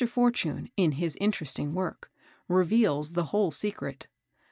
Fortune, in his interesting work, reveals the whole secret.